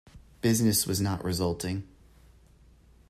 Business was not resulting.